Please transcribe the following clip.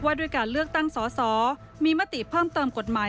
ด้วยการเลือกตั้งสอสอมีมติเพิ่มเติมกฎหมาย